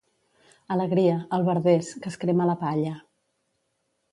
Alegria, albarders, que es crema la palla.